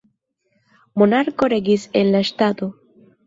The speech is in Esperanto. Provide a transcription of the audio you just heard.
Monarko regis en la ŝtato.